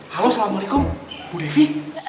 halo assalamu'alaikum bu devi